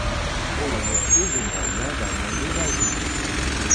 On le maîtrise au moyen d'un anneau magique.